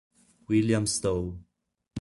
William Stowe